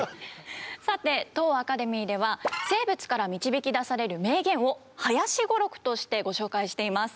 さて当アカデミーでは生物から導き出される名言を「林語録」としてご紹介しています。